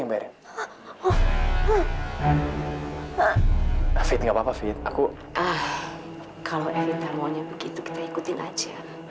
lihat nggak papa pasti aku dah kalau masih mau gitu kita ikutin aja